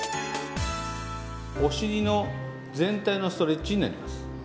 お尻の全体のストレッチになります。